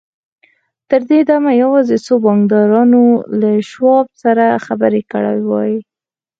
تر دې دمه يوازې څو بانکدارانو له شواب سره خبرې کړې وې.